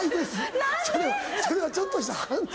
何で⁉それはちょっとした犯罪。